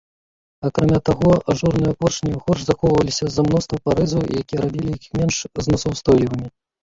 Акрамя таго, ажурныя поршні горш захоўваліся з-за мноства прарэзаў, якія рабілі іх менш зносаўстойлівымі.